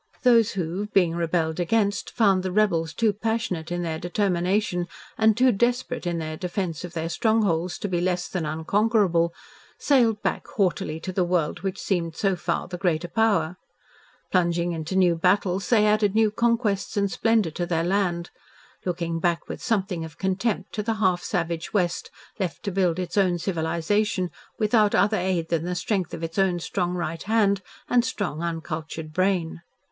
Those who, being rebelled against, found the rebels too passionate in their determination and too desperate in their defence of their strongholds to be less than unconquerable, sailed back haughtily to the world which seemed so far the greater power. Plunging into new battles, they added new conquests and splendour to their land, looking back with something of contempt to the half savage West left to build its own civilisation without other aid than the strength of its own strong right hand and strong uncultured brain.